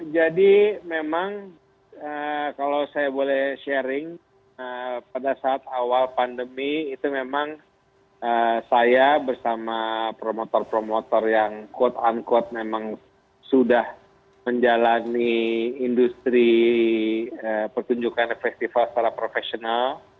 jadi memang kalau saya boleh sharing pada saat awal pandemi itu memang saya bersama promotor promotor yang quote unquote memang sudah menjalani industri pertunjukan festival secara profesional